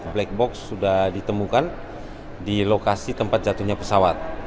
black box sudah ditemukan di lokasi tempat jatuhnya pesawat